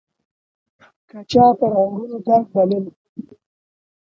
که چا فرهنګونو درک بلل